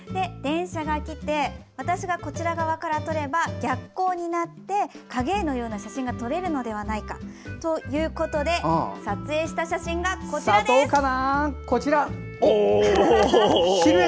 電車が来て私がこちら側から撮れば逆光になって影絵のような写真が撮れるのではないかということで撮影した写真がこちらです。